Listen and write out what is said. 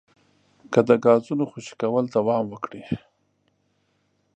که د ګازونو خوشې کول دوام وکړي